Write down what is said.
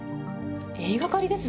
言いがかりです